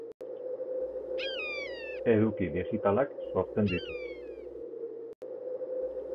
Eduki digitalak sortzen ditut.